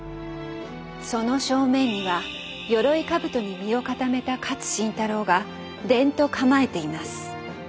その正面にはよろいかぶとに身を固めた勝新太郎がデンと構えています。